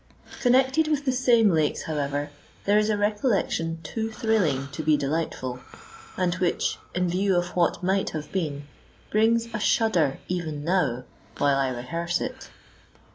Connected with the same lakes, however, there is a recollection too thrilling to be delightful, and which, in view of what might have been, brings a shudder even now while I rehearse it.